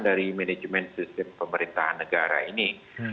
dari manajemen sistem pemerintahan negara ini